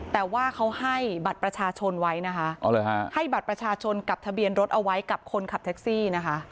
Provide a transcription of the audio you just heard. แต่ว่าเขาให้บัตรประชาชนไว้นะคะให้บัตรประชาชนกับทะเบียนรถเอาไว้กับคนขับแท็กซี่นะคะ